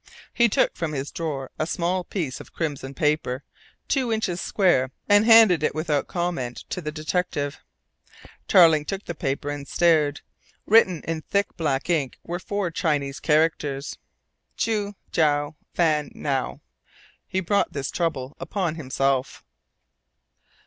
He took from his drawer a small piece of crimson paper two inches square, and handed it without comment to the detective. Tarling took the paper and stared. Written in thick black ink were four Chinese characters, "tzu chao fan nao" "He brought this trouble upon himself."